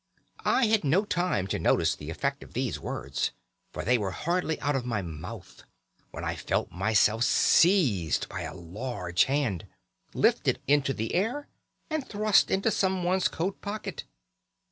"I had no time to notice the effect of these words, for they were hardly out of my mouth when I felt myself seized by a large hand, lifted into the air, and thrust into someone's coat pocket.